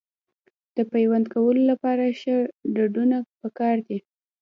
د پیوند کولو لپاره ښه ډډونه پکار دي.